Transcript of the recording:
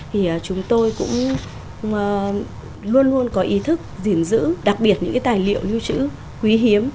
thì chúng tôi cũng luôn luôn có ý thức gìn giữ đặc biệt những cái tài liệu lưu trữ quý hiếm